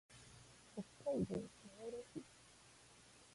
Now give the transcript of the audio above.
北海道名寄市